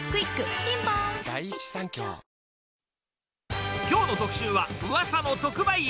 ピンポーンきょうの特集は、ウワサの特売市。